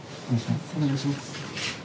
お願いします。